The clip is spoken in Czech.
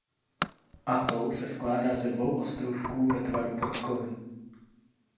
Atol se skládá ze dvou ostrůvků ve tvaru podkovy.